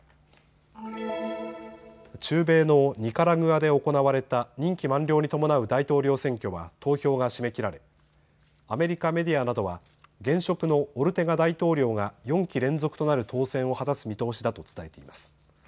中米のニカラグアで行われた任期満了に伴う大統領選挙は投票が締め切られアメリカメディアなどは現職のオルテガ大統領が４期連続となる当選を果たす見通しだと伝えています。